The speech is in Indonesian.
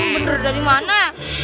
bener dari mana